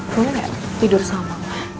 gue gak tidur sama